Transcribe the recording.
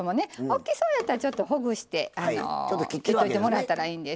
大きそうやったらちょっとほぐして切っといてもらったらいいんです。